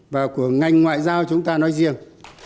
và của ngành ngoại giao chúng ta nói riêng